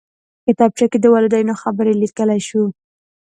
کتابچه کې د والدینو خبرې لیکلی شو